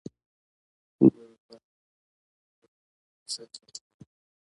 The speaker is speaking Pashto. لویه برخه لرونکي پانګوال هر څه کنټرولوي